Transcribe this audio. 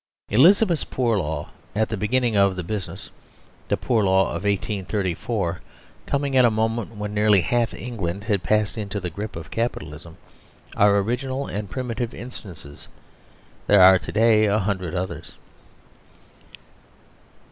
Elizabeth's Poor Law at the be ginning of the business, the Poor Law of 1834, coming at a moment when nearly half England had passed into the grip of Capitalism, are original and primitive instances : there are to day a hundred others.